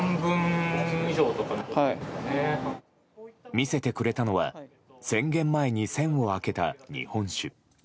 見せてくれたのは宣言前に栓を開けた日本酒。